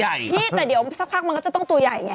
พี่แต่เดี๋ยวสักพักมันก็จะต้องตัวใหญ่ไง